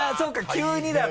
急にだと。